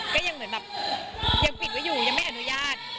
ก็ยังเหมือนแบบยังปิดไว้อยู่ยังไม่อนุญาต